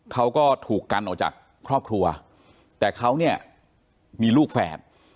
เขาก็ถูกกันออกจากครอบครัวแต่เขาเนี่ยมีลูกแฝด